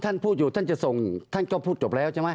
ท่านพูดอยู่ท่านจะส่งท่านก็พูดจบแล้วใช่ไหม